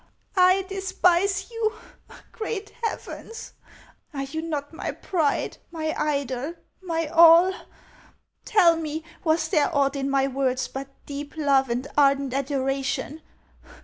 I despise you ! Great heavens ! Are you not my pride, my idol, my all ? Tell me, was there aught in my words but deep love and ardent adoration